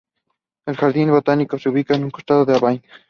El jardín botánico se ubica en un costado de la Abadía.